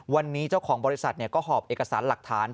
วันนี้เจ้าของบริษัทก็หอบเอกสารหลักฐาน